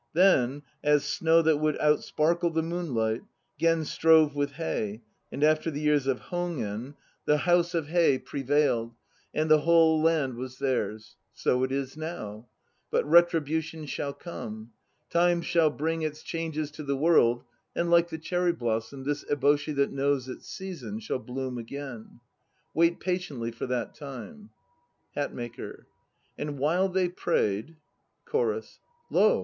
Then, as snow that would outsparkle the moonlight, Gen strove with Hei; and after the years of H5^en, 8 1 1064 A. D. 2 I.e. Minamoto and Taira. 3 1156 1159 A. D. EBOSHIORI 73 The house of Hei prevailed and the whole land was theirs. So is it now. But retribution shall come; time shall bring Its changes to the world and like the cherry blossom This eboshi that knows its season Shall bloom again. Wait patiently for that time! HATMAKER. And while they prayed CHORUS. Lo